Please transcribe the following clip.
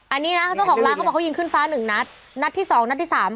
อันนี้นะเจ้าของร้านเขาบอกเขายิงขึ้นฟ้าหนึ่งนัดนัดที่สองนัดที่สาม